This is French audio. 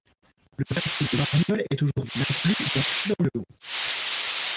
Le quartier de Margnolles est aujourd'hui inclus dans Cuire-le-Haut.